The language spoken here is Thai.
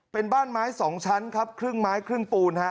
เป็นบ้านไม้๒ชั้นครับครึ่งไม้ครึ่งปูนฮะ